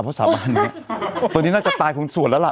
เพราะสาบานนี้ตัวนี้น่าจะตายคนส่วนแล้วล่ะ